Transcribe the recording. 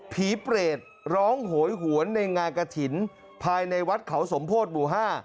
เปรตร้องโหยหวนในงานกระถิ่นภายในวัดเขาสมโพธิหมู่๕